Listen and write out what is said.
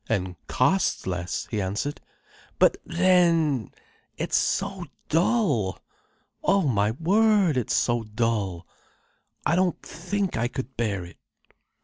"And costs less," he answered. "But then! It's so dull. Oh my word, it's so dull. I don't think I could bear it."